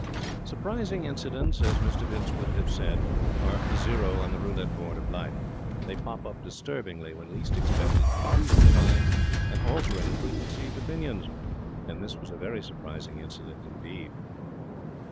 Surprising incidents, as Mr Vince would have said, are the zero on the roulette board of life. They pop up disturbingly when least expected, confusing the mind and altering pre conceived opinions. And this was a very surprising incident indeed.